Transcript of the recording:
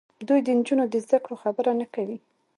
دوی د نجونو د زدهکړو خبره نه کوي.